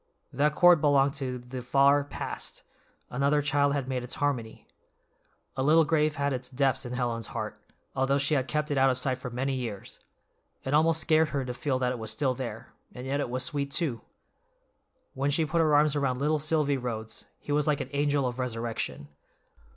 That chord belonged to the far past—another child had made its harmony. A little grave had its depths in Helen's heart, although she had kept it out of sight for many years; it almost scared her to feel that it was still there, and yet it was sweet, too. When she put her arms around little Silvy Rhodes, he was like an angel of resurrection.